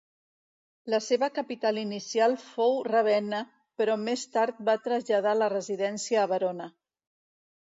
La seva capital inicial fou Ravenna però més tard va traslladar la residència a Verona.